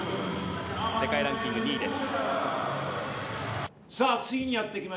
世界ランキング２位です。